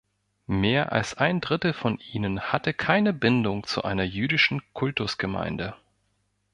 Mehr als ein Drittel von ihnen hatte keine Bindung zu einer jüdischen Kultusgemeinde.